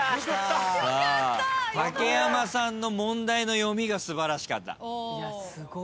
竹山さんの問題の読みが素晴らしかった。